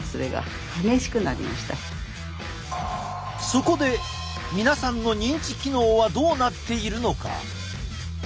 そこで皆さんの認知機能はどうなっているのか？